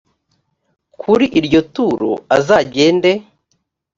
kuri iryo turo azagende